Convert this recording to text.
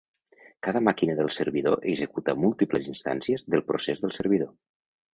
Cada màquina del servidor executa múltiples instàncies del procés del servidor.